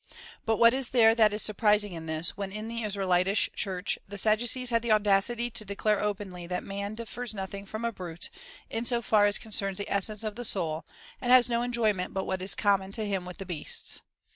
But what is there that is surprising in this, vrhen in the Israelitish Church the Sadducees had the audacit}" to declare openly that man differs nothing from a brute, in so far as concerns the essence of the soul, and has no enjoyment but what is common to him with the beasts